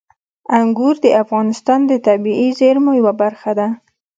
انګور د افغانستان د طبیعي زیرمو یوه برخه ده.